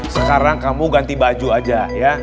sekarang kamu ganti baju aja ya